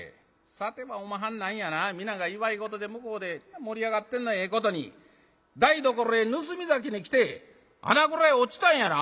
さてはおまはん何やな皆が祝い事で向こうで盛り上がってるのをええことに台所へ盗み酒に来て穴蔵へ落ちたんやな？」。